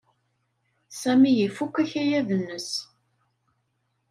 Sami ifuk akayad-nnes.